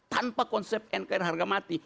tanpa konsep nkr harga mati